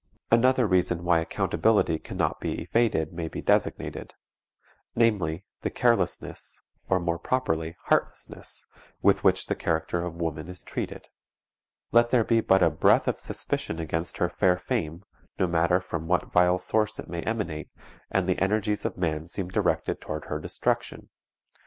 Another reason why accountability can not be evaded may be designated; namely, the carelessness, or, more properly, heartlessness, with which the character of woman is treated. Let there be but a breath of suspicion against her fair fame, no matter from what vile source it may emanate, and the energies of man seem directed toward her destruction.